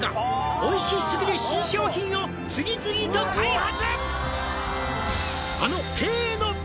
「おいしすぎる新商品を次々と開発」